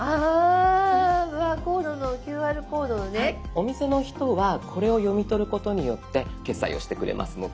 お店の人はこれを読み取ることによって決済をしてくれますので。